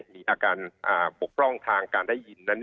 มีอาการปกพร่องทางการได้ยินนั้น